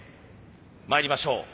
まいりましょう。